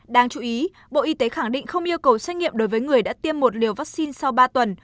đáng chú ý bộ y tế khẳng định không yêu cầu xét nghiệm đối với người đã tiêm một liều vaccine sau ba tuần